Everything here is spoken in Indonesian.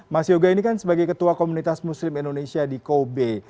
mas yoga ini kan sebagai ketua komunitas muslim indonesia di kobe